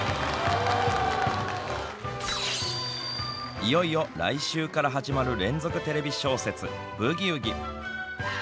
いよいよ来週から始まる連続テレビ小説、ブギウギ。